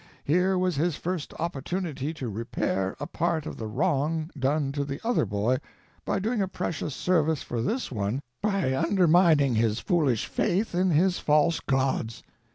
Here was his first opportunity to repair a part of the wrong done to the other boy by doing a precious service for this one by undermining his foolish faith in his false gods.